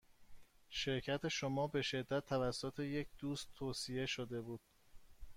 شرکت شما به شدت توسط یک دوست توصیه شده بود.